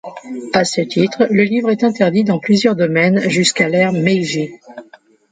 À ce titre, le livre est interdit dans plusieurs domaines jusqu'à l'ère Meiji.